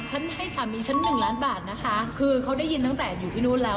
ฉันให้สามีฉันหนึ่งล้านบาทนะคะคือเขาได้ยินตั้งแต่อยู่ที่นู่นแล้ว